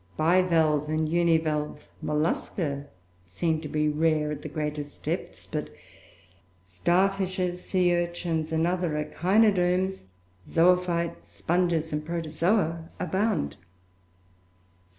Bivalve and univalve mollusca seem to be rare at the greatest depths; but starfishes, sea urchins and other echinoderms, zoophytes, sponges, and protozoa abound.